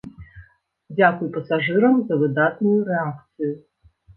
Дзякуй пасажырам за выдатную рэакцыю.